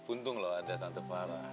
untung loh ada tante parah